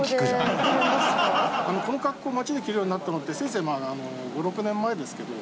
この格好街で着るようになったのってせいぜい５６年前ですけど。